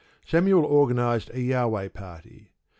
Samuel organised a Jahweh party.